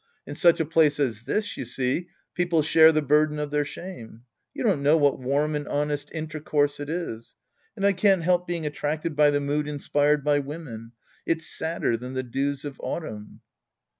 In such a place as this, you see, people share the burden of their shame. You don't know what warm and honest intercourse it is. And I can't help being attracted by the mood inspired by women. It's sadder than the dews of autumn.